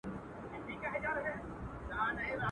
حقیقت در څخه نه سم پټولای.